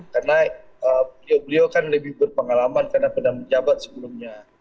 karena beliau beliau kan lebih berpengalaman karena pernah menjabat sebelumnya